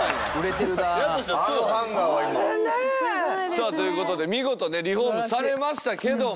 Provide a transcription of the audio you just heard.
さあということで見事ねリフォームされましたけども。